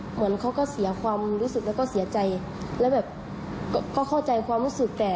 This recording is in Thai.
เหมือนเขาก็เสียความรู้สึกแล้วก็เสียใจแล้วแบบก็เข้าใจความรู้สึกแก